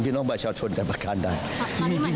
พี่น้องประชาชนกันประการได้